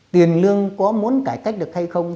tiền lương có muốn cải cách được hay không